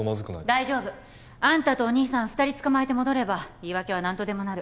大丈夫あんたとお兄さん二人捕まえて戻れば言い訳は何とでもなる